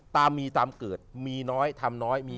ตามมีตามเกิดมีน้อยทำน้อยมี